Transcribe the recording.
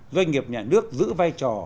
doanh nghiệp nhà nước giữ vai trò